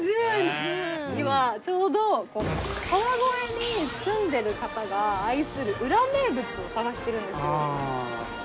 今ちょうど川越に住んでる方が愛する裏名物を探してるんですよ。